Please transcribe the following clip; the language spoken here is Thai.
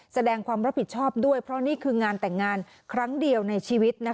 แสดงความรับผิดชอบด้วยเพราะนี่คืองานแต่งงานครั้งเดียวในชีวิต